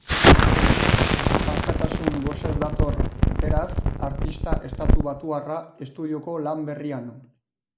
Askatasun gosez dator, beraz, artista estatubatuarra estudioko lan berrian.